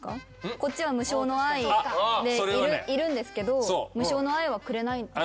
こっちは無償の愛でいるんですけど無償の愛はくれないんですか？